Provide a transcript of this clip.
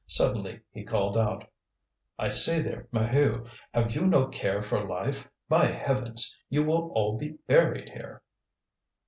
Suddenly he called out: "I say there, Maheu; have you no care for life? By heavens! you will all be buried here!"